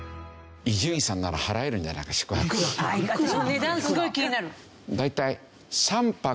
値段すごい気になる。